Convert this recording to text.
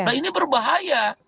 nah ini berbahaya